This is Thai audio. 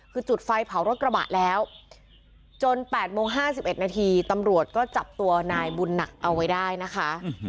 คือจุดไฟเผารถกระบะแล้วจน๘โมง๕๑นาทีตำรวจก็จับตัวนายบุญหนักเอาไว้ได้นะคะ